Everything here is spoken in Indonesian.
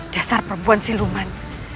dasar perempuan siluman